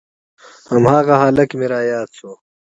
هماغه هلک مې راياد سو.